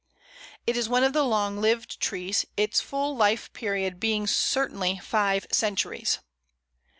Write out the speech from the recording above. It is one of the long lived trees, its full life period being certainly five centuries.